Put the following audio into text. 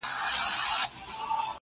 په خپله لار نۀ ستومانى، نۀ پښېمانى راغله